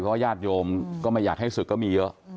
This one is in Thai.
เพราะว่าญาติโยมก็ไม่อยากให้ศึกก็มีเยอะ